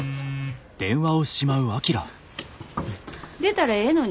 出たらええのに。